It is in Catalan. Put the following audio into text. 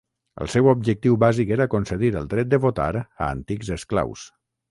El seu objectiu bàsic era concedir el dret de votar a antics esclaus.